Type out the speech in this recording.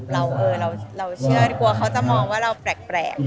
เราเชื่อกลัวเขาจะมองว่าเราแปลก